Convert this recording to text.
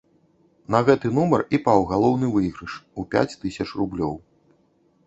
На гэты нумар і паў галоўны выйгрыш у пяць тысяч рублёў.